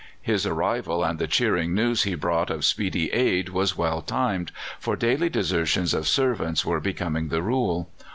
His arrival and the cheering news he brought of speedy aid was well timed, for daily desertions of servants were becoming the rule.